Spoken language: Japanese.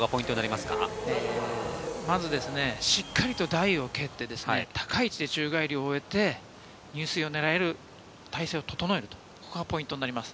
まずはしっかりと台を蹴って、高い位置で宙返りを終えて、入水を狙える態勢を整えるというのがポイントになります。